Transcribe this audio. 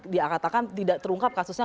dikatakan tidak terungkap kasusnya